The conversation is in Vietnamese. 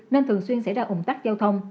nên thường xuyên xảy ra ủng tắc giao thông